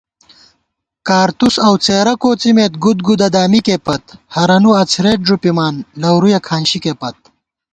کارتُس اؤ څېرہ کوڅِمېت، گُدگُدہ دامِکےپت * ہرَنُو اڅَھرېت ݫُپِمان لَورُیَہ کھانشِکےپت